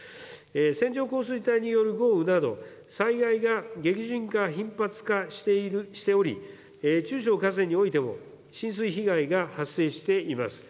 線状降水帯による豪雨など、災害が激甚化・頻発化しており、中小河川においても浸水被害が発生しています。